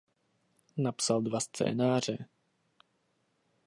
Napsal dva scénáře.